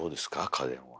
家電は。